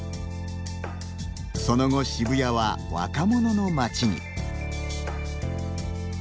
その後、渋谷は若者の街に。